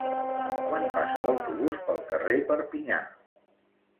Quan passa l'autobús pel carrer Perpinyà?